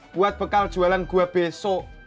buat bekal jualan gua besok